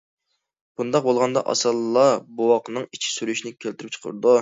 بۇنداق بولغاندا ئاسانلا بوۋاقنىڭ ئىچى سۈرۈشىنى كەلتۈرۈپ چىقىرىدۇ.